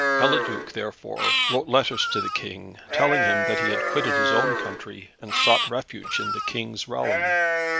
Eliduc, therefore, wrote letters to the King, telling him that he had quitted his own country, and sought refuge in the King's realm.